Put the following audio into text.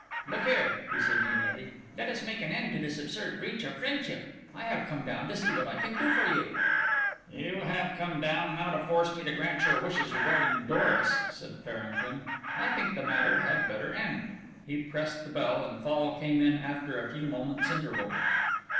"Look here," he said, genially, "let us make an end to this absurd breach of friendship. I have come down to see what I can do for you." "You have come down now to force me to grant your wishes regarding Doris," said Farrington. "I think the matter had better end." He pressed the bell, and Fall came in after a few moments' interval.